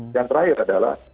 yang terakhir adalah